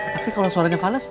tapi kalau suaranya fales